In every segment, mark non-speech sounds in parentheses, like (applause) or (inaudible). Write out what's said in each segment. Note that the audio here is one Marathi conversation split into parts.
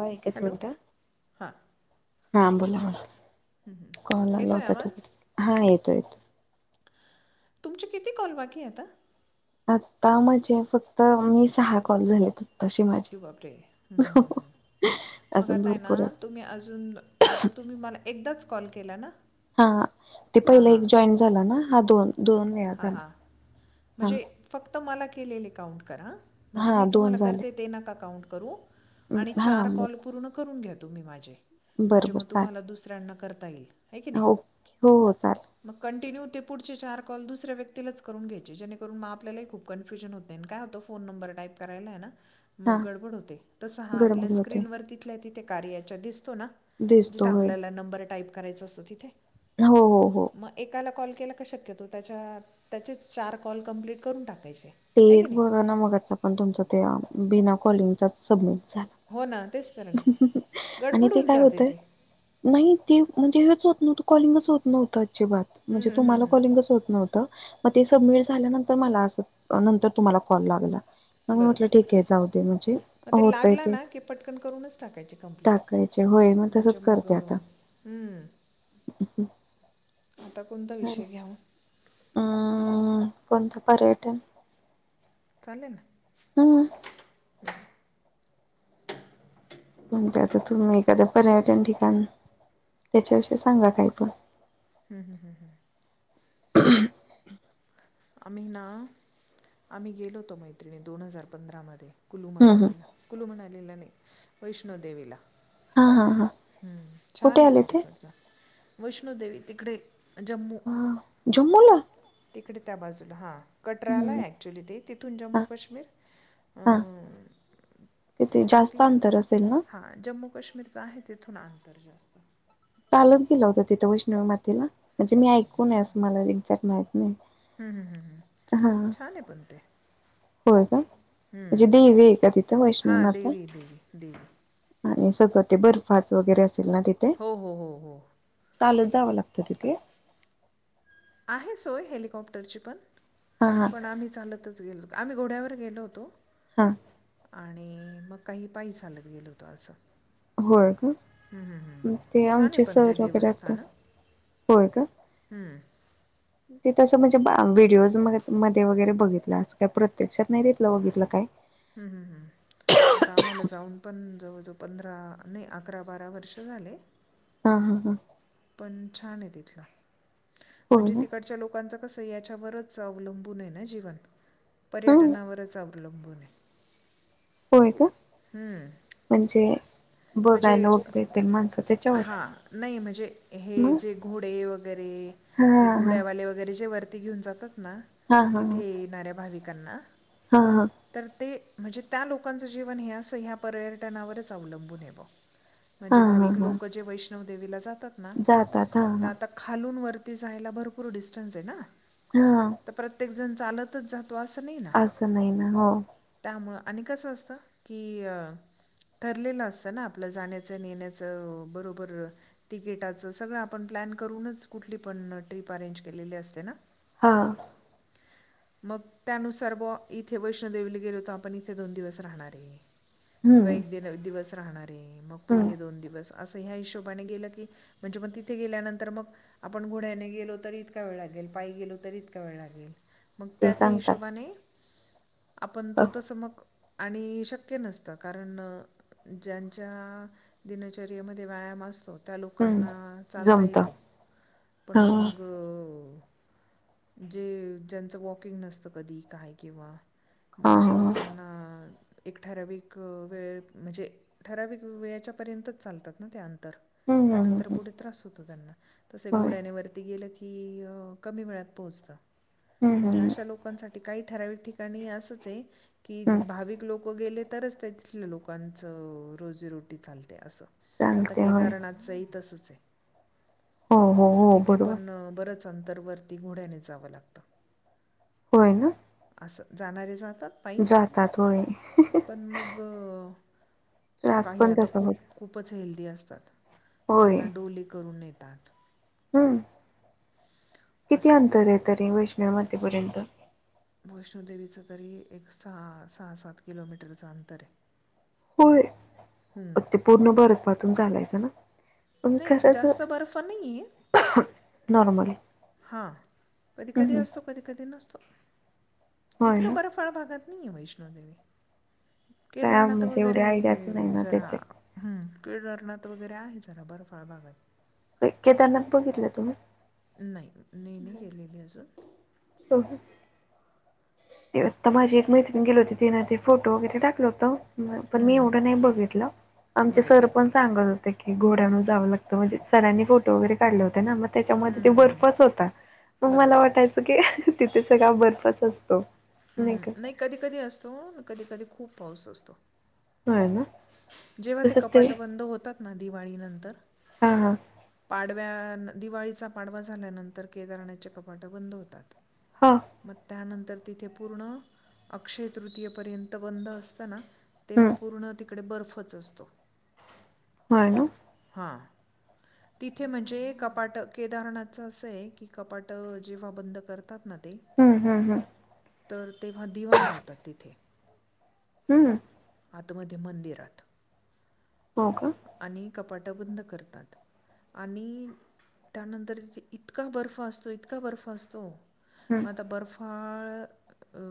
हा एकच हॅलो मिनिट. हां हा बोला, हं, हं. कॉल आला येतो आहे होता आवाज तुमचा, हा येत तेच. तुमची किती कॉल बाकी आता? आता म्हजे फक्त मी सहा कॉल झालेत. आत्ताशे (unintelligible) माझे मग अजून आता आहे ना भरपूर आहेत तुम्ही अजून आता तुम्ही मला एकदाच कॉल केला ना. हा, ते पहिलं एक जॉईंट झाला ना हा दोन. दोन वेळा हा हा, झाला हा म्हणजे फक्त मला काउं करा म्हणजे हा मी दोन तुम्हाला झाले कर काउं करू आणि हा चार बर कॉल पूर्ण करून घ्या तुम्ही माझे बर बर ण तुमला चालेल दता ये ओके हो हो चालेल म कंट्य ते पुढचे चार कॉल दुसऱ्या व्यक्तीलाच करून घ्यायचे जेणेकरून म आपल्याला खूप कन्फ्युजन होते आणि कायतं फोन नंबर टाईप करायला आहे ना. हा मग गडबड होते तस हा गडबड आपल्या होते स्क्रीनवर तिथल्या तिथे कार्याच्या दिस होतोणा दिसतो जीत होय आपल्याला नबर टाईप कराय असतो तिथे. हो, हो. केल का शक्यतो त्याच्या त्याच चार कॉल कंप्लीट करून टाकायचे. ते आहे की एक नाही बघा ना मगच आ पण तुमच ते बिना कॉलिंगचा सबमिट हो ना. तेच तर ना आणि गडबड ते होऊन काय जाते होतय, ते नाही ते म्हणजे हेच कॉलिंगच होत नव्हतं आजीबात हं, म्हणजे हं, हं, तुम्हाला हं. कॉलिंगच होत नव्हत. म ते सबमिट झाल्यानंतर मला अस नंतर तुम्हाला कॉल लागला. मग मी म्हटलं बरोबर, ठीक आहे जाऊ दे म्हणजे म ते होतय लागला ते ना की पटकन करूनच टाकायचे कंप्लीट. चे होय म म्हणजे तसच मग करते आता. हम्म, आता कोणता विषय घ्याव. हम्म कोनत पर्यटन? चाले ना. हम्म कोण ते आता तुम्ही एखादं पर्यटन ठिकाण त्याच्याविषयी सांगा काही पण. हम्म हम्म हम्म हम्. आम्ही ना आम्ही गेलो होतो मैत्रिणी दोन हजार पंधरा मदे. कुलू हम्म हम्म मणालीला कुलू मनालीला नाही वैष्णोदेवीला. हा हा हा हम्म छान कुठे आहे आले पण ते तिकडच वैष्णोदेवी तिकडे जम्मू. अ जम्मूला तिकडे त्या बाजूला हा. कटराला हम्म आहे ॲक्च्युली ते तिथून हा जम्मू काश्मीर अ किती जास्त अंतर असेल ना. कश्मीरचं आहे तिथून अंतर जास्त. गेलं होत तिथं वैष्ण मातेला म्हणजे मी ऐकूूनय असं मला एक्झॅक्ट माहित नाही. हं हं हा छान आहे पण ते. होय का. हम्म म्हणजे देवी आहे का तिथं हा वैष्णवी माता? देवी देवी देवी. आणि सगळं ते बर्फाच वगैरे अस. हो हो हो हो. चालत जावं लागत तिथे. आहे सोय हेलिकॉप्टरची पण हा हा पण आम्ही चालतच गेलो. आम्ही घोड्यावर गेलो होतो. हा. आणि मग काही पाय चालत गेल होत असं. होय का हम्म हम्म हम्म ते छान आहे आमचे पण ते सर वगैरे आता देवस्थान हम्म. त तसं म्हणजे व्हिडिओज मध्ये मध्ये वगैरे बघितलं असं काय प्रत्यक्षात नाही देतलं बघितलं काय. हम्म हम्म हम्. आता आम्हाला जाऊन पण जवळजवळ पंधरा नाही अकरा बारा वर्ष झाले. हा हा हा. पण छान आहे तितलं, होय म्हनजे का तिकडच्या लोकांच कस याच्या वरच अवलंबून हाय ना जीवन, हा पर्यटनावरच आवलंबून कोलंबणे (inaudible) होय का म्हणजे बघायला वगैरे ते माणसं हा त्याच्यावर नाही म्हणजे हे मग जे घोडे वगैरे हा हे हा घोड्यावाले वगैरे जे वरती घेऊन जातात ना हा हा हा तिथे येणाऱ्या भाविकांना हा हा तर ते म्हणजे त्या लोकांचं जीवन हे ह्या पर्यटनावरच अवलंबून हे बो. हा म्हणजे हा भाविक हा लोक जे वैष्णव देवीला जातात ना जातात हा तर हा आता खालून वर वरती जायला भरपूर डिस्टन्स आहे ना हा तर प्रत्येकजण चालतच जाता असं नाही ना हो त्यामुळं आणि कसं असतं की ठरलेलं असतं ना आप आपलं जाण्याचं येण्याचं बरोबर तिकीटाचं सगळं आपण प्लॅन करूनच कुठली पण ट्रिप अरेंज केलेली असते ना हा मग त्यानुसार बुआ इथे वैष्णवदेवीला गेलोत आपण इथे दोन दिवस राहणार ये किंवा हम्म एक दिवस राहणार आहे मग हम्म पुढे दोन दिवस असं ह्या हिशोबाने गेलं की म्हणजे मग तिथे गेल्यानंतर मग आपण घोड्याने गेलो तरी इतका वेळ आली पायी गेलो तरी इतका वेळ लागेल मग ते त्यात ही सांगतात हिशोबाने आपण तो तसं मग आणि शक्य नसतं कारण ज्यां ज्या दिनचरयेमध्ये व्यायाम असतो. त्या हम्म लोकांना चालता जमत येत पण हा हा मग जे ज्यांचं वॉकिंग नसतं कधी काय किंवा म हा अशा लोकांना एक ठराविक वेळ म्हणजे ठराविक वेळेच्या पर्यंतच चालतात ना त्यां हम्म त्यानंतर हम्म पुढे त्रास होतो त्यांना तसे होय घोड्याने वरती गेल की की अ कमी वेळात पोहोचत हम्म म्हणजे हम्म अशा लोकांसाठी काही ठराविक ठिकाणी असच आहे हम्म की भाविक लोक लोक गेले तरच ते तिथल्या लोकांच रोजीरोटी चाल. ते असं आता चालते होय केदारनाथचही तसच आहे. हो हो हो बरोबर. नंतर वरती घोड्यानेच जावं लागतं. होय ना. असं जाणारे जातात पाई जातात होय पण मग त्रास काही पण आता तसा होत खूप खूपच हेल्दी असतात होय त्यांना डोली करून ने हम्म किती असं अंतर आहे तरी वैष्णव माते पर्यंत वैष्णव देवीच तरी एक सहा सात किलोमीटरचं अंतर आहे. होय हं. ते पूर्ण बर्फातुन चालायचं ना. पण नाही खरंच जास्त बर्फ नाही ये. नॉर्मल हां कधी कधी असतो कधी कधी नसतो. होय इतका ना बर्फाळ भागात नाहीय वैष्णव देवी काय केदारनाथ म्हणजे वगैरे एवढ्या आयडियाच नाही ना जरा त्याचे हम्म. केदारनाथ वगैरे आहे जरा बर्फाळ भागात केदारनाथ बघितलं तुम्ही नाही नाही नाही गेलेली अजून हो हो. ते आता माझी एक मैत्रिण गेली होती. तेन ते फोटो वगैरे टाकलं होत. पण मी हं, एवढं नाही बघितलं. आमचे बरं सर बरं पण सांगत होते. की घोड्यान जावं लागतं. म्हणजे सरांनी फोटो वगरे काढले होते ना. म हं, त्याच्यामध्ये ते हं, हं. बर्फच होता. म बरं मला बरं बरं वाटायचं की तिथे सगळा बर्फच असतो. हम्म नाही कधी कधी असतो, कधी कधी खूप पाऊस असतो. होय ना. जेव्हा ते कपाट बंद होतात ना, दिवाळी नंतर. हा हा. पाडव्या दिवाळीचा पाडवा झाल्यानंतर, केदारनाथचे कपाट बंद होतात. हा मग त्यानंतर तर तिथे पूर्ण अक्षय तृतीयपर्यंत बंद असताना तेव्हा हम्म पूर्ण इकडे बर्फच असतो. हो ना. हा तिथे म्हणजे कपाट केदारनाथच असं आहे की कपाट जेव्हा बंद करत हम्म हम्म हम्म. तर तेव्हा दिवा लावतात तिथे. हम्म. आतमध्ये मंदिरात. हो का? कपाटबंद करतात. आणि त्यानंतर तिथे इतका बर्फ असतो, इतका बर्फ असतो. हम्म मग आता बर्फाळ अ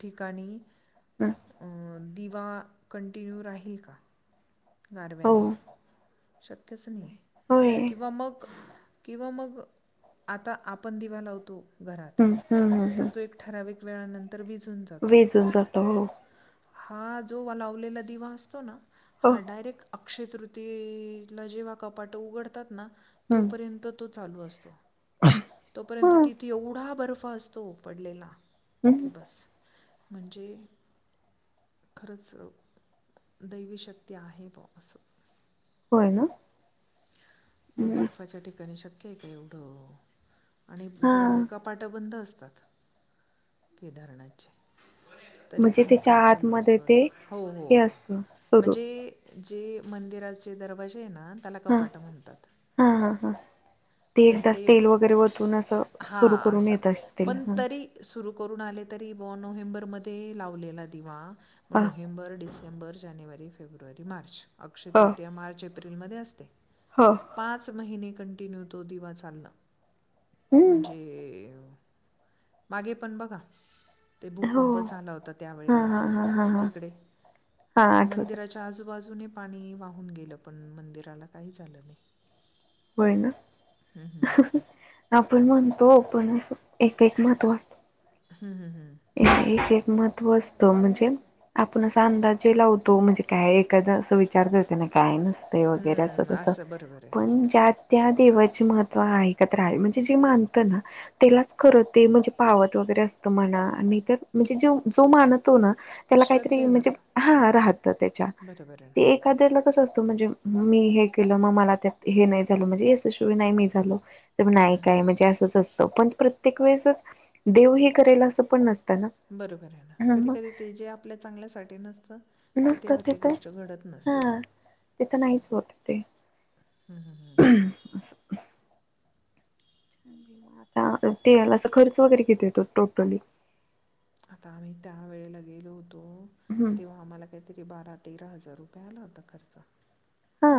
ठिकाणी हम्म अ दिवा कंटिन्यू राहील का? हो गारव्याने शक्यच नाही, होय किंवा मग किंवा मग आता आपण दिवा लावतो, घरात हं, हं, तर तो एक ठराविक वेळानंतर विझून जातो विजून जातो. हो. हा जो लावलेला दिवा असतो ना, हो. हा डायरेक्ट अक्षय तृतीय जेव्हा कपाट उघडतात ना, हं, तोपर्यंत तो चालू असतो. तोपर्यंत हं, तिथे एवढा बर्फ असतो, पडलेला. हं. की बस. म्हणजे खरंच दैवीशक्ती आहे, बा असं हाय ना. मग हं. बर्फाच्या ठिकाणी शक्यय का? एवढं, आणि हां. कपाट बंद अस तात, केदाारनाथचे. तरी म्हणजे पण तो त्याच्या चालू आतमध्ये असतो अस, ते हो हो हे असतं सुरू म्हणजे जे मंदिराचे दरवाजेय ना, त्याला कपाट म्हणतात. ह ह ह. ते एकदा तेल वगैरे वतून असं सुरू हां करून असं येत असतील, पण ह. तरी सुरू करून आले तरी बा, नोव्हेंबर मध्ये लावलेला दिवा म हां, नोव्हेंबर, डिसेंबर, बर, जानेवारी, फेब्रुवारी, मार्च अक्षय हां, तृतीया मार्च एप्रिलमध्ये असते. हां. पाच महिने कंटिन्यू तो दिवा चाला. हं. म्हणजे मागे पण बघा ते हो. भूकंप झाला होता, त्यावेळेला हां, हां, हां, हां, हां. तिकडे हां, आठवतंय. मंदिराच्या आजूबाजू जुने पाणी वाहून गेलं पण, मंदिराला काहीच झालं नाही. होय ना, हं, हं. आपण म्हणतो पण अस एक एक महत्व असत, हं, हं, हं. क एक महत्व अस बा म्हणजे आपण असा अंदाजे लावतो, म्हणजे काय एखादा अस विचार कर त्यांना काय नसते वगैरे, अस हं, तस, असं बरोबर आहे. पण ज्या त्या देवाचे महत्त्व ऐकत राहावे म्हणजे जे मानत ना त्यालाच खर ते पावत वगैरे असत म्हणा मि तर म्हणजे जो मानत तो ना त्याला काही तरी श्रद्धेवर म्हणजे ह राहत त्याच्या बरोबर आहे ना. एखाद्याला कस असतो म्हणजे मी हे केलं मग मला त्यात हे नाही झाल म्हणजे यशशिवाय नाही मी झालो तर हं, ना हं, काय म्हणजे असंच असतं पण प्रत्येक वेळेसच देव हे करायला असं पण नसतं बरोबर आहे ना कधी कधी ते जे आपल्या चांगल्या साठी नसतं ते नुसत तेव्हा ती तिथं गोष्ट घडत हा नसते चा तिथं नाहीच होत ते हम्म अस छान, आता तेला अस खर्च वगैरे किती येतो टोटली. आता आम्ही त्या वेळेला गेलो होतो, हम्म तेव्हा आम्हाला काहीतरी बारा तेरा हजार रुपया आला होता खर्च. हा.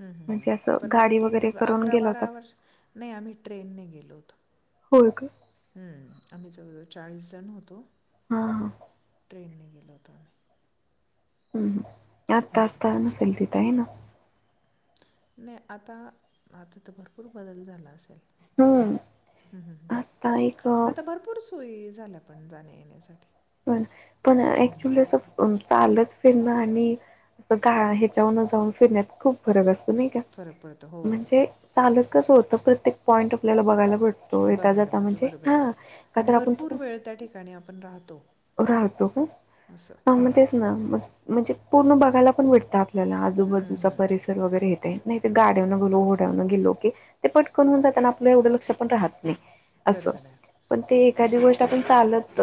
हम्म हम्म हम्म, म्हणजे असं पण आता गाडी ती वगैरे करून अकरा गेला होता बारा वर्ष नाही आम्ही ट्रेनने गेलो होतो. होय का? हम्म, आम्ही जवळ चाळीस जण होतो. ह ह. ट्रेनने गेलो होतो आम्ही हम्म हम आता आता नसेल तिथे हाय ना नाही आता आता तर भरपूर बदल झाला असेल हम्म हं, हं, हं. आता एक आता भरपूर सोयी झाल्या पण जाण्या येण्यासाठी पण ऍक्च्युली असं चालत फिरणं आणि अस गाडी ह्याच्यावरन जाऊन फिरण्यात खूप फरक असत नाही का फरक पडतो. हो. म्हणजे चालत कस होतं प्रत्येक पॉईंट आपल्याला बघायला पडत. बघायला मिळत बरोबर आहे ना का आणि तर आपण भरपूर वेळ त्या ठिकाणी आपण राहतो. राहतो असं. ना तेच ना म्हणजे पूर्ण बघायला पण भेटत आपल्याला हं, हं, आजूबाजूचा हं. परिसर वगैरे येत आहे, नाही ते गाड्यावरण गेलो, घोड्यानंवरण गेलो. ते पटकन होऊन जातना आपलं एवढं लक्ष पण राहत नाही अस बरोबर आहे. पण ते एखादी गोष्ट आपण चालत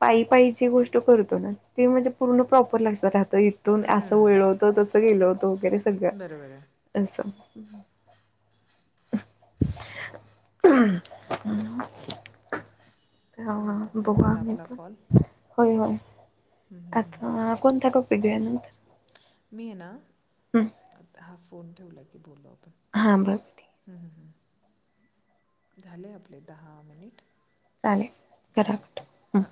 पायी पायीची गोष्ट करतो ना ते म्हणजे पूर्ण प्रॉपर लक्षात रहात तर इथून असं हं. वळलो होत तसं गेल होतं वगैरे बरोबर आहे. सगळं असं (inaudible) चला आता ह् होत बघू आला आम्ही पण (inaudible) होय होय हं, हं, हं. आता कोणता टॉपिक घेऊया नंतर मी आहे ना हा फोन ठेवला की बोलू हां बरं ठीक आहे आपण ह् झाले आपले दहा मिनिट चालेल करा कट हम हां